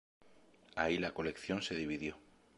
Ahí la colección se dividió.